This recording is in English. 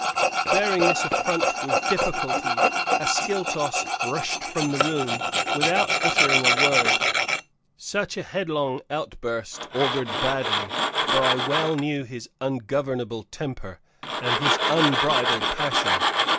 (Bearing this affront with difficulty, Ascyltos rushed from the room, without uttering a word. Such a headlong outburst augured badly, for I well knew his ungovernable temper and his unbridled passion.